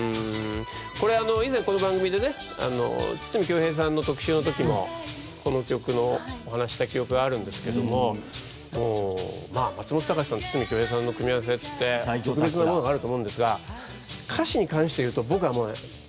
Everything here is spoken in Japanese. これ、以前この番組で筒美京平さんの特集の時もこの曲のお話した記憶あるんですけども松本隆さんと筒美京平さんの組み合わせって特別なものがあると思うんですが歌詞に関して言うと、僕は。